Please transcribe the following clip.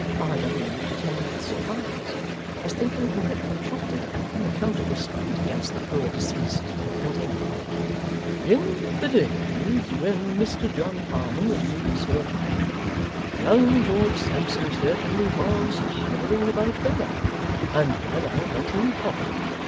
R. W. looked at him with surprise, as thinking he had contracted an unaccountable spite against the poor deceased, and continued: 'In the days when Mr John Harmon was being sought out, young George Sampson certainly was hovering about Bella, and Bella let him hover.